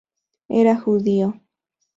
Era judío.